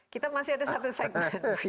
kita masih ada satu segmen